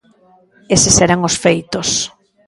Eses eran os feitos.